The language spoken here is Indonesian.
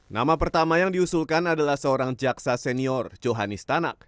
nama pertama yang diusulkan adalah seorang jaksa senior johanis tanak